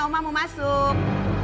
oma mau masuk